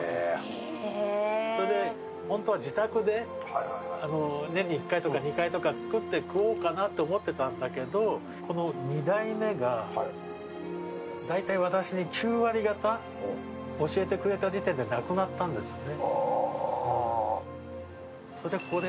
本当は自宅で年に１回とか２回とか作って食おうかなと思ってたんだけど、２代目が大体私で９割方教えてくれた時点で亡くなったんですよね。